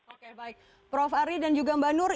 oke baik prof ari dan juga mbak nur